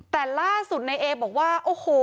แต่ล่าสุดในเอบอกว่าโอ้โห